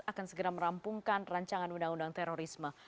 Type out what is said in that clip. akan segera merampungkan rancangan undang undang terorisme